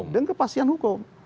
dan kepastian hukum